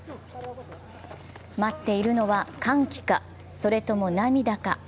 待っているのは、歓喜か、それとも涙か。